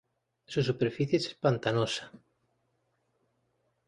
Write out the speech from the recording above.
Su superficie es pantanosa.